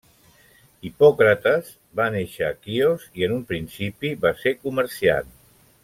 Hipòcrates va néixer a Quios i en un principi va ser comerciant.